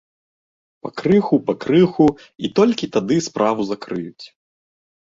Пакрыху, пакрыху, і толькі тады справу закрыюць.